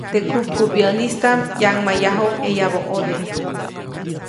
Teʼ kupkubyäʼnistaʼm ʼyaŋmayjayuʼuŋ ʼeyabä ʼode.